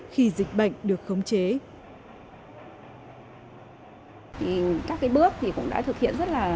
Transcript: khi dịch bệnh được khống chế